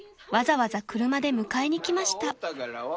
わざわざ車で迎えに来ました］